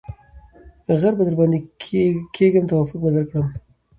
ـ غر به درباندې کېږم توافق به درکړم.